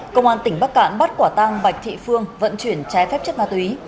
công an tỉnh bắc cạn bắt quả tang bạch thị phương vận chuyển trái phép chất ma túy